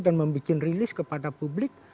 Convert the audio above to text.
dan membuat rilis kepada publik